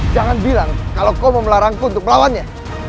jangan bilang kalau kau mau melarangku untuk melawannya